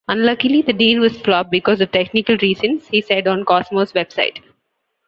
Unluckily the deal was flop because of technical reasons, he said on Cosmos website.